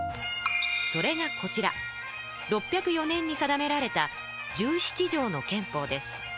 それがこちら６０４年に定められた「十七条の憲法」です。